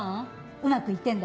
うまくいってんだ？